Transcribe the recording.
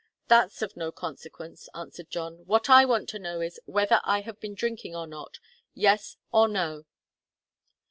"That's of no consequence," answered John. "What I want to know is, whether I have been drinking or not. Yes or no?"